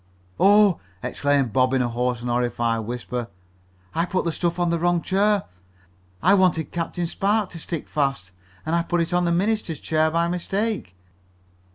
"Oh!" exclaimed Bob in a hoarse and horrified whisper. "I put the stuff on the wrong chair! I wanted Captain Spark to stick fast, and I put it on the minister's chair by mistake!"